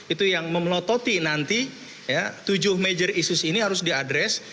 itu yang memelototi nanti tujuh major isis ini harus diadres